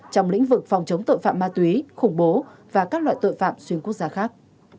trong lĩnh vực phòng chống tội phạm ma túy khủng bố và các loại tội phạm xuyên quốc gia khác